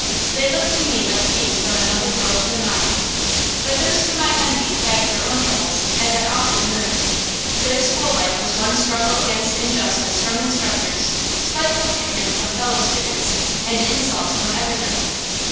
They looked to me like beings from another world than mine. But those whom I envied had their own troubles, as I often heard. Their school life was one struggle against injustice from instructors, spiteful treatment from fellow students, and insults from everybody.